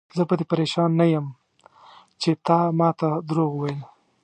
زه په دې پریشان نه یم چې تا ماته دروغ وویل.